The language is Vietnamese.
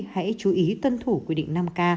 hãy chú ý tân thủ quy định năm k